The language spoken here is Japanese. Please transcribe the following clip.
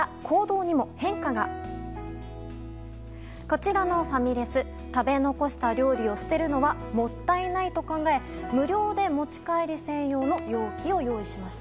こちらのファミレス食べ残した料理を捨てるのはもったいないと考え無料で持ち帰り専用の容器を用意。